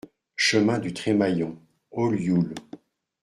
Chemin du Tremaillon, Ollioules